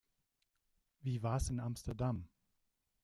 Wie war's in Amsterdam?